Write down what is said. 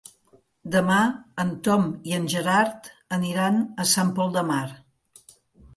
Demà en Tom i en Gerard aniran a Sant Pol de Mar.